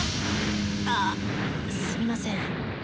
あっすみません。